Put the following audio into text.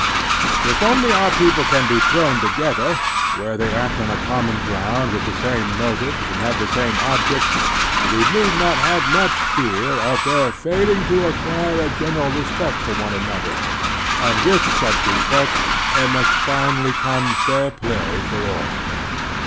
If only our people can be thrown together, where they act on a common ground with the same motives, and have the same objects, we need not have much fear of their failing to acquire a genuine respect for one another; and with such respect there must finally come fair play for all.